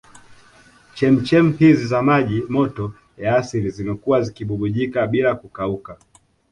Chemchem hizi za maji moto ya asili zimekuwa zikibubujika bila kukauka